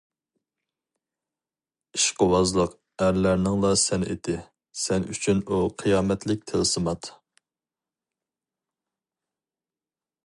ئىشقىۋازلىق ئەرلەرنىڭلا سەنئىتى، سەن ئۈچۈن ئۇ قىيامەتلىك تىلسىمات!